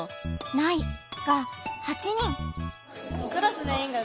「ない」が８人。